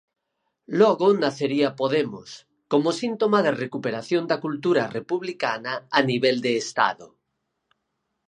Logo nacería Podemos, como síntoma da recuperación da cultura republicana a nivel de Estado.